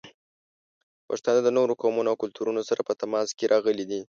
پښتانه د نورو قومونو او کلتورونو سره په تماس کې راغلي دي.